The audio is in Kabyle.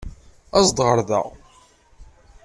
Aẓ-d ɣer da.